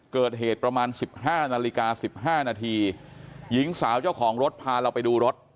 เกิดเหตุประมาณ๑๕นาฬิกา๑๕นาทีหญิงสาวเจ้าของรถพาเราไปดูรถ